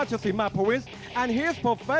สวัสดีครับท้ายรับมวยไทยไฟเตอร์